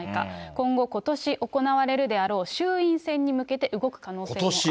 今後、ことし行われるであろう衆院選に向けて動く可能性があると。